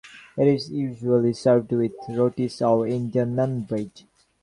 It is usually served with rotis or Indian naan bread.